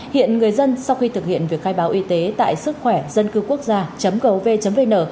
hiện người dân sau khi thực hiện việc khai báo y tế tại sức khỏe dân cư quốc gia gov vn